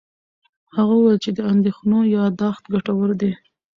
هغه وویل چې د اندېښنو یاداښت ګټور دی.